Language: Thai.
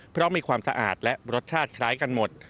เพราะมีความสะอาดและรสชาติคล้ายกันหมด